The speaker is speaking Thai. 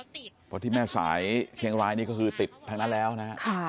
เพราะที่แม่สายเชียงรายนี่ก็คือติดทางนั้นแล้วนะครับ